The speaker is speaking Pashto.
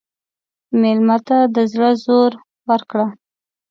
مېلمه ته د زړه زور ورکړه.